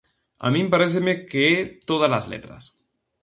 A min paréceme que é tódalas letras.